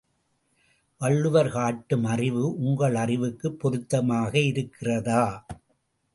வள்ளுவர் காட்டும் அறிவு உங்கள் அறிவுக்கு பொருத்தமாக இருக்கிறதா?